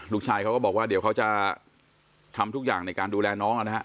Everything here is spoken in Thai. ลูกชายเขาก็บอกว่าเดี๋ยวเขาจะทำทุกอย่างในการดูแลน้องนะฮะ